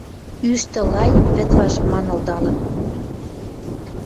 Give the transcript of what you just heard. Ӱштӹ-лай вӹд важ манылдалын